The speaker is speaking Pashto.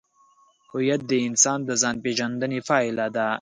هویت د انسان د ځانپېژندنې پایله ده.